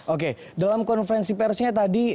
oke dalam konferensi persnya tadi